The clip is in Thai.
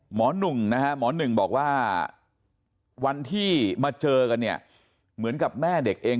หมอนุ่งบอกว่าวันที่มาเจอกันเหมือนกับแม่เด็กเอง